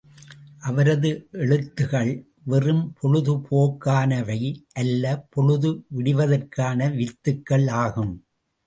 அவரது எழுத்துகள், வெறும் பொழுதுபோக்குக்கானவை அல்ல பொழுது விடிவதற்கான வித்துகள் ஆகும்!